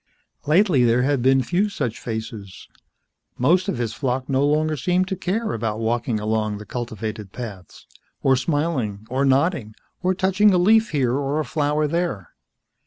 Lately there had been few such faces. Most of his flock no longer seemed to care about walking along the cultivated paths, or smiling, or nodding, or touching a leaf here or a flower there.